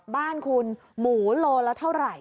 บ้านคุณหมูโลละเท่าไหร่